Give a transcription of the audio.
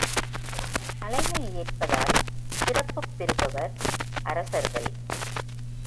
தலைமை ஏற்பதால் சிறப்புப் பெறுபவர் அரசர்கள்.